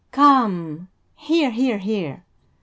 "Come, hear, hear, hear!"